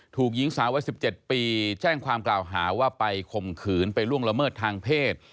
ถูกหญิงสาววัย๑๗ปีแจ้งความกล่าวหาว่าไปข่มขืนไปล่วงละเมิดทางเพศ